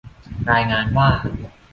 รายงานว่า